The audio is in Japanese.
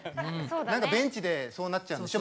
何かベンチでそうなっちゃうんでしょ？